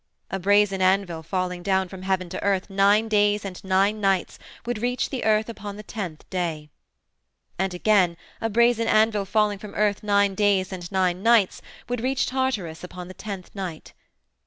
A brazen anvil falling down from Heaven to Earth nine days and nine nights would reach the earth upon the tenth day. And again, a brazen anvil falling from Earth nine nights and nine days would reach Tartarus upon the tenth night.